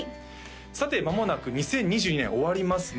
さて間もなく２０２２年終わりますね